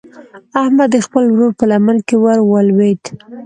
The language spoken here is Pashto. احمد د خپل ورور په لمن کې ور ولوېد.